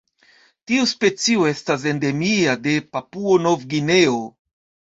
Tiu specio estas endemia de Papuo-Nov-Gvineo.